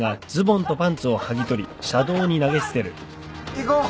行こう。